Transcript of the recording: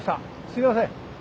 すいません。